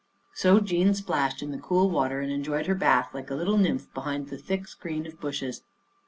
So Jean splashed in the cool water and en joyed her bath like a little nymph behind the thick screen of bushes.